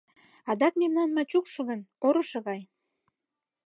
Адак мемнан Мачукшо гын, орышо гай...